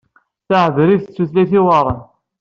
Taɛebrit d tutlayt iweɛṛen.